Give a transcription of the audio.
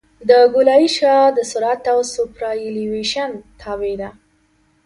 د ګولایي شعاع د سرعت او سوپرایلیویشن تابع ده